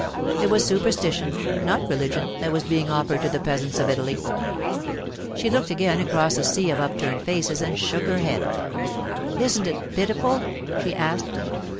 It was superstition, not religion, that was being offered to the peasants of Italy. She looked again across the sea of upturned faces and shook her head. 'Isn't it pitiful?' she asked.